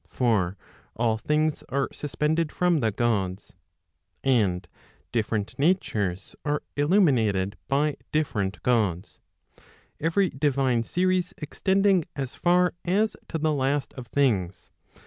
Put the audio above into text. For all things are suspended from the Gods. And different natures are illuminated by different Gods; every divine series extending as far as to the last of things.